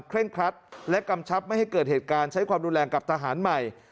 เร่งครัดและกำชับไม่ให้เกิดเหตุการณ์ใช้ความรุนแรงกับทหารใหม่